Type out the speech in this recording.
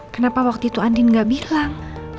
kenapa waktu itu andin gak bilang